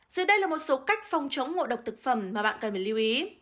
giờ đây là một số cách phòng chống ngộ độc thực phẩm mà bạn cần phải lưu ý